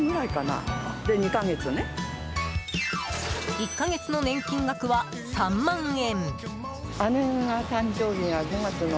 １か月の年金額は３万円。